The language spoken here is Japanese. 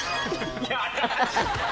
やらしい。